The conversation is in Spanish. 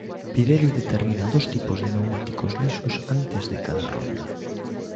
Pirelli determina dos tipos de neumáticos lisos antes de cada ronda.